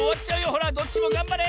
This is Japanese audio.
ほらどっちもがんばれ！